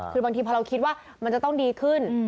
คือบางทีพอเราคิดว่ามันจะต้องดีขึ้น